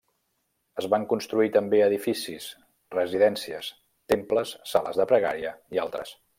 Es van construir també edificis, residències, temples, sales de pregària i altres.